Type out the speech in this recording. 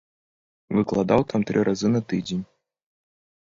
Выкладаў там тры разы на тыдзень.